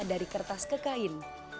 dari kertas ke kain